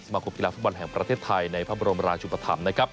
สมาคมกีฬาภาคบรรณแห่งประเทศไทยในภาพบรมราชุมฐรรมนะครับ